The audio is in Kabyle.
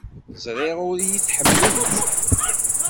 Ẓriɣ ur iyi-tḥemmlemt.